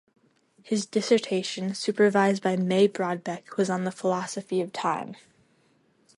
His dissertation, supervised by May Brodbeck, was on the philosophy of time.